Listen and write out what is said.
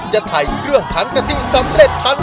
จะไถ่เครื่องการการที่สามซาม